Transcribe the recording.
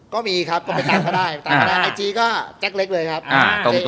ก็มีครับก็ไปตามก็ได้